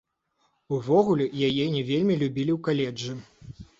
Увогуле, яе не вельмі любілі ў каледжы.